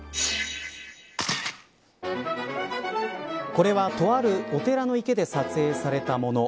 これは、とあるお寺の池で撮影されたもの。